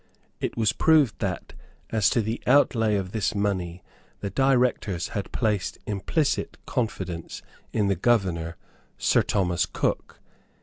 It was proved that, as to the outlay of this money, the directors had placed implicit confidence in the governor, Sir Thomas Cook.